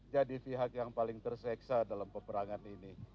jadi pihak yang paling terseksa dalam peperangan ini